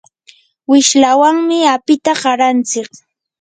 wishlawanmi apita qarantsik.